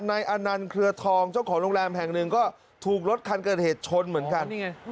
นายอนันต์เครือทองเจ้าของโรงแรมแห่งหนึ่งก็ถูกรถคันเกิดเหตุชนเหมือนกัน